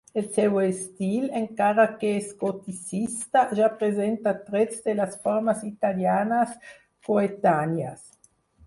El seu estil, encara que és goticista, ja presenta trets de les formes italianes coetànies.